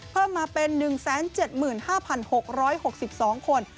เพิ่มมาเป็น๑๗๕๖๖๒คน